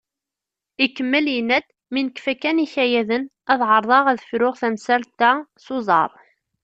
Ikemmel yenna-d: “Mi nekfa kan ikayaden, ad ɛerḍeɣ ad fruɣ tamsalt-a s uẓar."